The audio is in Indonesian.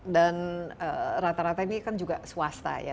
dan rata rata ini kan juga swasta ya